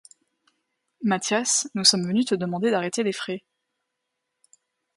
Mathias, nous sommes venus te demander d’arrêter les frais.